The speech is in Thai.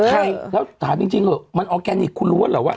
ใครแล้วถามจริงเถอะมันออร์แกนิคคุณรู้ว่าเหรอว่า